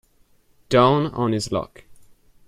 Down on his luck.